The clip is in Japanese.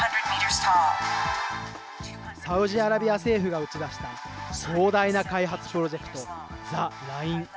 サウジアラビア政府が打ち出した壮大な開発プロジェクト、ザ・ライン。